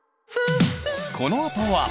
このあとは。